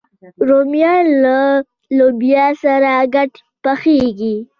رومیان له لوبیا سره ګډ پخېږي